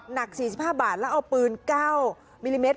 หนัก๔๕บาทแล้วเอาปืน๙มิลลิเมตร